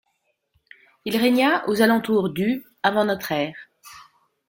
Il régna aux alentours du avant notre ère.